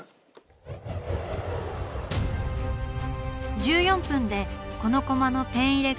１４分でこのコマのペン入れが終了。